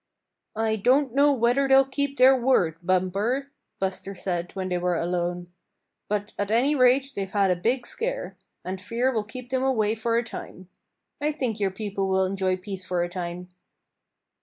"I don't know whether they'll keep their word, Bumper," Buster said when they were alone. "But at any rate they've had a big scare, and fear will keep them away for a time. I think your people will enjoy peace for a time."